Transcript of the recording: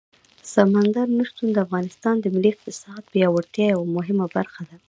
سمندر نه شتون د افغانستان د ملي اقتصاد د پیاوړتیا یوه مهمه برخه ده.